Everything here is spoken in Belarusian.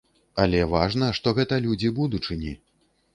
Але важна, што гэта людзі будучыні.